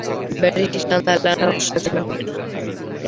Berriz izan da lana osatzen aurrena.